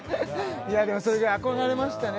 でもそれぐらい憧れましたね